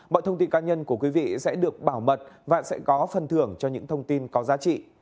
mọi thông tin cá nhân của quý vị sẽ được bảo mật và sẽ có phần thưởng cho những thông tin có giá trị